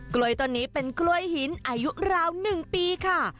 กล้วยต้นนี้เป็นกล้วยหินอายุราว๑ปีค่ะ